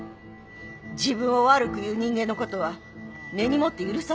自分を悪く言う人間のことは根に持って許さない